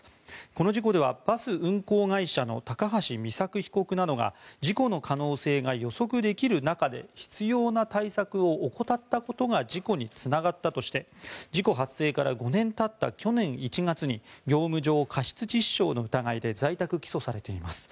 この事故では、バス運行会社の高橋美作被告などが事故の可能性が予測できる中で必要な対策を怠ったことが事故につながったとして事故発生から５年たった去年１月に業務上過失致死傷の疑いで在宅起訴されています。